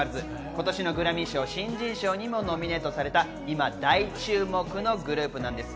今年のグラミー賞新人賞にもノミネートされた、今大注目のグループなんです。